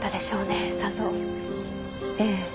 ええ。